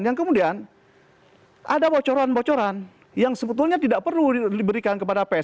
yang kemudian ada bocoran bocoran yang sebetulnya tidak perlu diberikan kepada pers